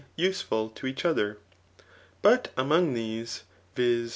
use ful3 to each other. But among these [viz.